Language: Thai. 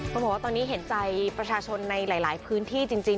ต้องบอกว่าตอนนี้เห็นใจประชาชนในหลายพื้นที่จริง